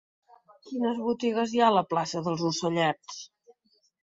Quines botigues hi ha a la plaça dels Ocellets?